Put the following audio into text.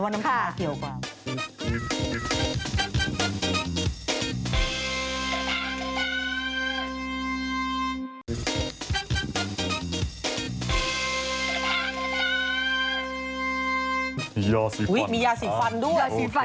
ยอสีฟันเยอว์ร์สีฟันมียาวสีฟันด้วย